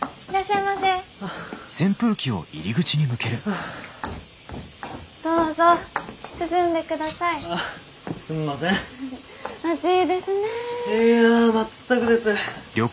いや全くです。